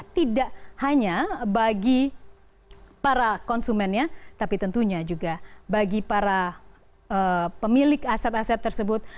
tidak hanya bagi para konsumennya tapi tentunya juga bagi para pemilik aset aset tersebut